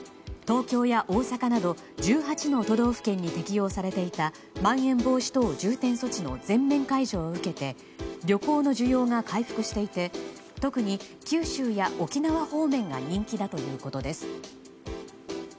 東京や大阪など１８の都道府県に適用されていたまん延防止等重点措置の全面解除を受けて旅行の需要が回復していて特に九州や沖縄方面が人気だということです。